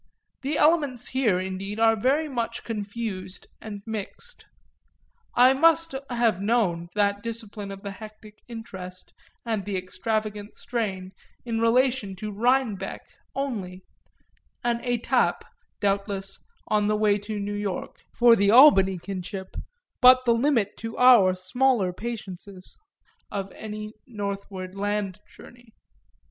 The elements here indeed are much confused and mixed I must have known that discipline of the hectic interest and the extravagant strain in relation to Rhinebeck only; an étape, doubtless, on the way to New York, for the Albany kinship, but the limit to our smaller patiences of any northward land journey.